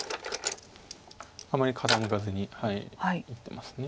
あまり傾かずに打ってます。